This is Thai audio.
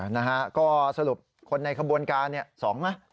นะฮะก็สรุปคนในขบวนการเนี่ย๒ไหม